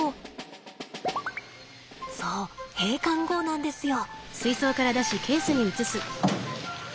そう閉館後なんですよ。